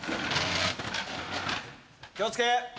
気を付け。